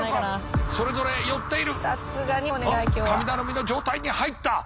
神頼みの状態に入った。